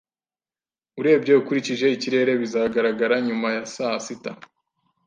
Urebye ukurikije ikirere, bizagaragara nyuma ya saa sita.